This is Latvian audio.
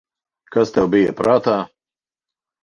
Kas tev bija prātā?